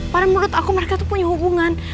pada mulut aku mereka tuh punya hubungan